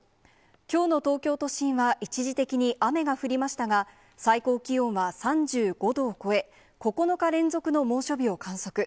きょうの東京都心は、一時的に雨が降りましたが、最高気温は３５度を超え、９日連続の猛暑日を観測。